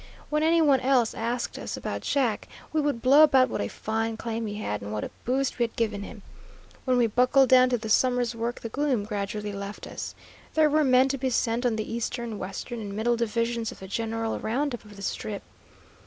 When any one else asked us about Jack, we would blow about what a fine claim he had, and what a boost we had given him. When we buckled down to the summer's work the gloom gradually left us. There were men to be sent on the eastern, western, and middle divisions of the general round up of the Strip.